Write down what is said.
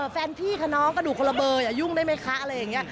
แฟนพี่ค่ะน้องกระดูกคนละเบอร์ยุ่งได้ไหมคะอะไรอย่างนี้